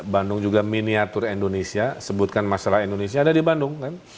bandung juga miniatur indonesia sebutkan masalah indonesia ada di bandung